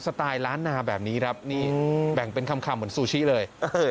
ไตล์ล้านนาแบบนี้ครับนี่แบ่งเป็นคำเหมือนซูชิเลย